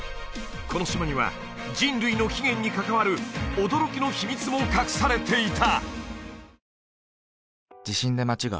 この島には人類の起源に関わる驚きの秘密も隠されていた！